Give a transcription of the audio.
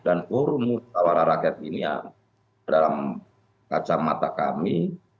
dan urut musawarah rakyat ini yang dalam kacamata kami